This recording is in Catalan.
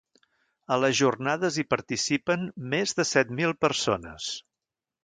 A les jornades hi participen més de set mil persones.